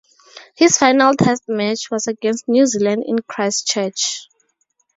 His final Test match was against New Zealand in Christchurch.